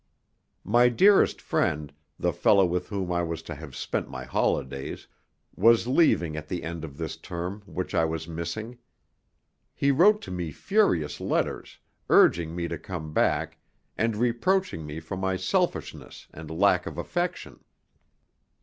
My dearest friend, the fellow with whom I was to have spent my holidays, was leaving at the end of this term which I was missing. He wrote to me furious letters, urging me to come back, and reproaching me for my selfishness and lack of affection.